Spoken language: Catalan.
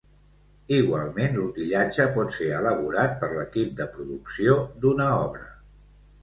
Igualment, l'utillatge pot ser elaborat per l'equip de producció d'una obra.